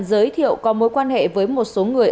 giới thiệu có mối quan hệ với một số người